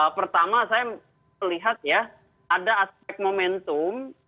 pertama saya melihat ya ada aspek momentum